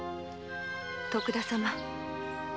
徳田様。